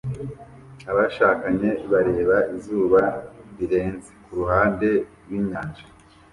Abashakanye bareba izuba rirenze kuruhande rwinyanja